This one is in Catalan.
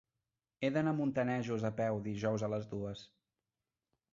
He d'anar a Montanejos a peu dijous a les dues.